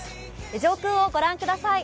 上空を御覧ください。